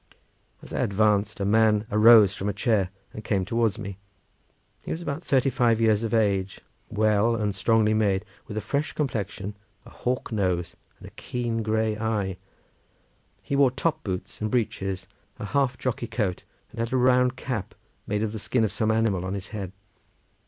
As I advanced a man arose from a chair and came towards me. He was about thirty five years of age, well and strongly made, with a fresh complexion, a hawk nose and a keen grey eye. He wore top boots and breeches, a half jockey coat, and had a round cap made of the skin of some animal on his head.